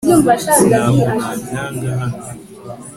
ntabwo nabyanga hano